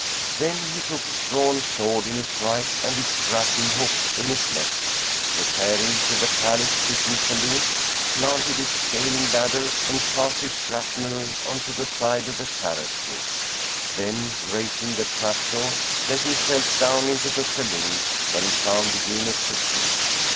Then he took his drawn sword in his right and his grappling hook in his left and, repairing to the Caliph's sitting saloon planted his scaling ladder and cast his grapnel on to the side of the terrace roof; then, raising the trap door, let himself down into the saloon, where he found the eunuchs asleep.